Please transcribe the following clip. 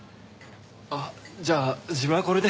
あっじゃあ自分はこれで。